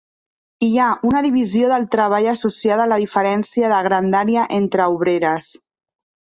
Hi ha una divisió del treball associada a la diferència de grandària entre obreres.